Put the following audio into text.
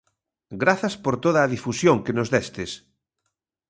Grazas por toda a difusión que nos destes!